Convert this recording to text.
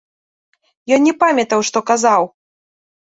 Ён не памятаў, што казаў.